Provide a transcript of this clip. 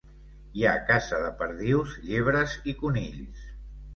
Hi ha caça de perdius, llebres i conills.